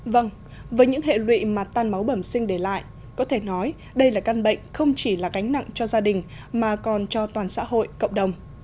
vâng với những hệ lụy mà tan máu bẩm sinh để lại có thể nói đây là căn bệnh không chỉ là cánh nặng cho gia đình mà còn cho toàn xã hội cộng đồng